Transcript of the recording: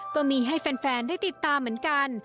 ก็มีให้แฟนได้ติดตามเหมือนกัน